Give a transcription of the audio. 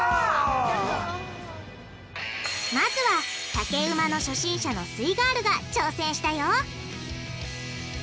まずは竹馬の初心者のすイガールが挑戦したよ！